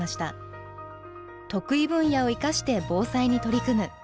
得意分野を生かして防災に取り組む。